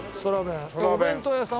これお弁当屋さん？